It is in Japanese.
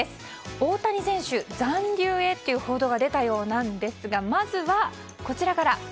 大谷選手、残留へという報道が出たようなんですがまずは、こちらから。